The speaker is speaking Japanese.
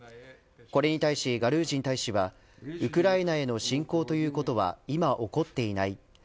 これに対し、ガルージン大使はウクライナへの侵攻ということは今、起こっていない。